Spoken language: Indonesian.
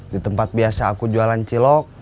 di tempat biasa aku jualan cilok